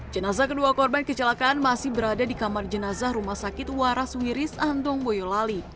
jenazah kedua korban kecelakaan masih berada di kamar jenazah rumah sakit waraswiris andong boyolali